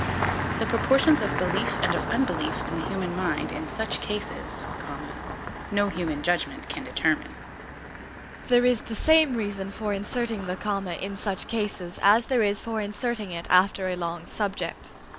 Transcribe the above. The proportions of belief and of unbelief in the human mind in such cases, no human judgment can determine. There is the same reason for inserting the comma in such cases as there is for inserting it after a long subject.